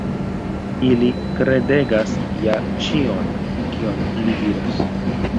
Ili kredegas ja ĉion, kion li diras.